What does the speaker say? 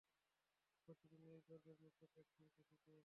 প্রতিটি মেয়ের গর্বের মুকুট, এক চিমটি সিদুর।